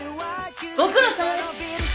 ご苦労さまです！